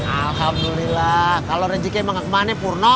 alhamdulillah kalau rezeki emang kemana purno